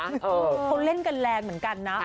เขาเล่นกันแรงเหมือนกันนะ